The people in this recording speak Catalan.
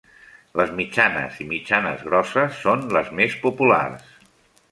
Les mitjanes i mitjanes-grosses són les més populars.